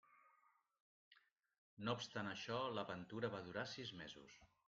No obstant això, l'aventura va durar sis mesos.